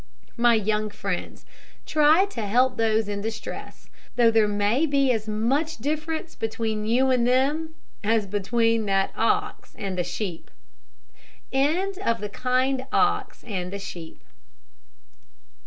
My young friends, try to help those in distress, though there may be as much difference between you and them as between that ox and the sheep.